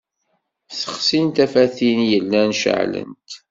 Sexsin tafatin yellan ceɛlent.